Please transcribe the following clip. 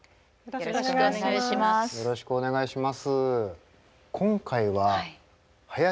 よろしくお願いします。